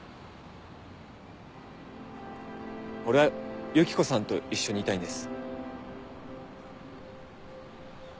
俺ユキコさんと一緒にいたいんです。